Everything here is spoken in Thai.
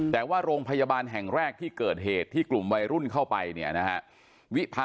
แต่ว่าโรงพยาบาลแห่งแรกที่เกิดเหตุที่กลุ่มวัยรุ่นเข้าไปเนี่ยนะฮะ